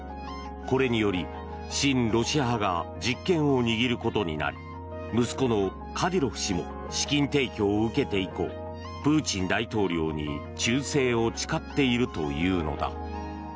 これにより、親ロシア派が実権を握ることになり息子のカディロフ氏も資金提供を受けて以降プーチン大統領に忠誠を誓っているというのだ。